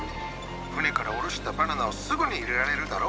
船から降ろしたバナナをすぐに入れられるだろ？